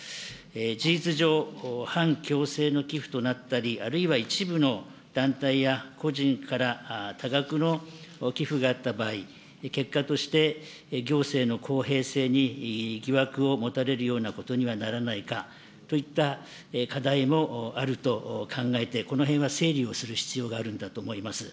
事実上、半強制の寄付となったり、あるいは一部の団体や個人から多額の寄付があった場合、結果として行政の公平性に疑惑を持たれるようなことにはならないかといった課題もあると考えて、このへんは整理をする必要があるんだと思います。